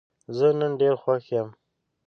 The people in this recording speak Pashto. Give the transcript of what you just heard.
زه نن ډېر خوښ یم.